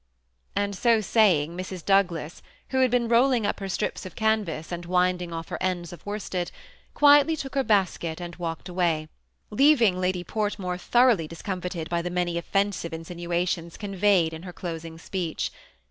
And so saying, Mrs. Douglas, who had been rolling up her strips of 7* 164 THE SEan ATTACHBD COUPLE. canvas, and winding off her ends of worsted, quietlj took her hasket and walked away, leaving Ladj Port more thoroughly discomfited hy the many off«nsive insinuations conveyed in her closing speech.